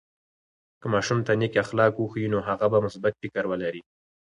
که ماشوم ته نیک اخلاق وښیو، نو هغه به مثبت فکر ولري.